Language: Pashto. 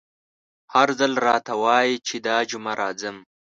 هر ځل راته وايي چې دا جمعه راځم….